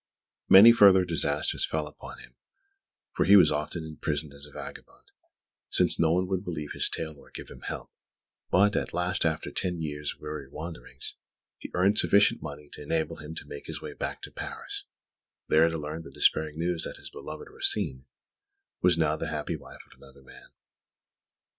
Many further disasters fell upon him, for he was often imprisoned as a vagabond, since no one would believe his tale or give him help; but, at last, after ten years' weary wanderings, he earned sufficient money to enable him to make his way back to Paris there to learn the despairing news that his beloved Rosine was now the happy wife of another man.